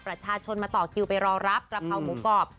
ประชาชนมาต่อคิวไปรอรับกระเพราหมูกรอบ